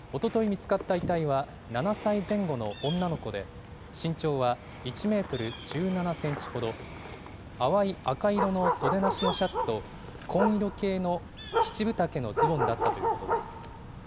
見つかった遺体は、７歳前後の女の子で、身長は１メートル１７センチほど、淡い赤色の袖なしのシャツと、紺色系の七分丈のズボンだったということです。